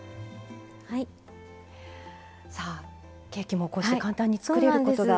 さあケーキもこうして簡単につくれることが。